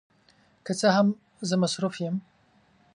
که څه هم، زه مصروف یم.